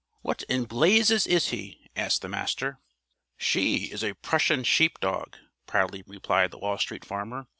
"What in blazes is he?" asked the Master. "She is a Prussian sheep dog," proudly replied the Wall Street Farmer.